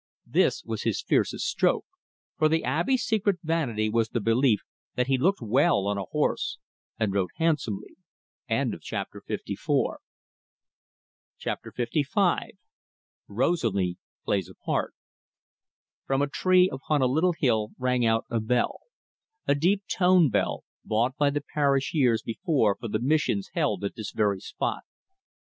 This was his fiercest stroke, for the Abbe's secret vanity was the belief that he looked well on a horse, and rode handsomely. CHAPTER LV. ROSALIE PLAYS A PART From a tree upon a little hill rang out a bell a deep toned bell, bought by the parish years before for the missions held at this very spot.